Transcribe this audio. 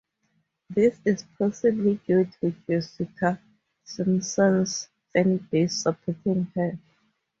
This is possibly due to Jessica Simpson's fanbase supporting her.